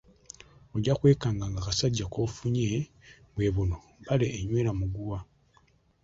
"Ojja kwesanga nga n'akasajja k'ofunye bwe buno bu ""mpale enywera muguwa"""